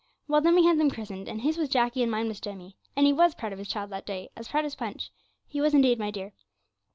Well then we had them christened, and his was Jacky and mine was Jemmy, and he was proud of his child that day as proud as Punch; he was indeed, my dear.